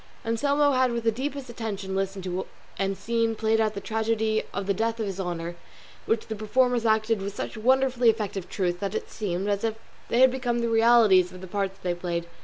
Anselmo had with the deepest attention listened to and seen played out the tragedy of the death of his honour, which the performers acted with such wonderfully effective truth that it seemed as if they had become the realities of the parts they played.